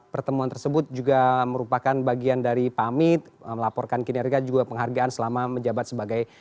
pertemuan tersebut juga merupakan bagian dari pamit melaporkan kinerja juga penghargaan selama menjabat sebagai